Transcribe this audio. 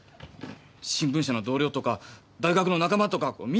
新聞社の同僚とか大学の仲間とかみんなでだよ。